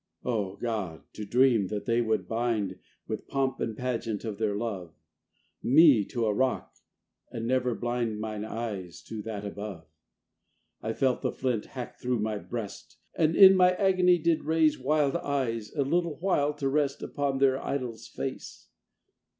O God! to dream that they would bind With pomp and pageant of their love Me to the rock, and never blind Mine eyes to that above! I felt the flint hack through my breast, And in my agony did raise Wild eyes, a little while to rest Upon their idol's face.